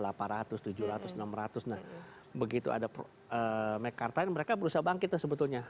nah begitu ada mekarta ini mereka berusaha bangkit sebetulnya